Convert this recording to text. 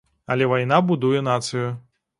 Але вайна будуе нацыю.